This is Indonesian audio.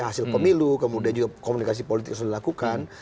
hasil pemilu kemudian juga komunikasi politik yang sudah dilakukan